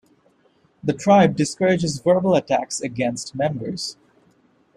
The tribe discourages verbal attacks against members.